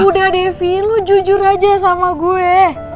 udah deh vin lo jujur aja sama gue